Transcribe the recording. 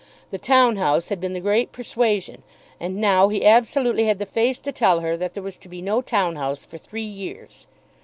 The town house had been the great persuasion, and now he absolutely had the face to tell her that there was to be no town house for three years.